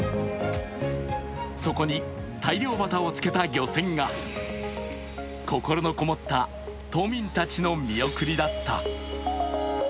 そこに大漁旗をつけた漁船が、心のこもった島民たちの見送りだった。